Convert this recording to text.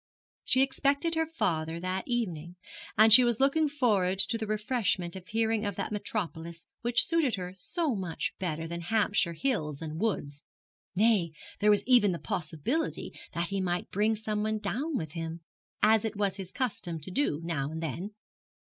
She expected her father that evening, and she was looking forward to the refreshment of hearing of that metropolis which suited her so much better than Hampshire hills and woods; nay, there was even the possibility that he might bring someone down with him, as it was his custom to do now and then.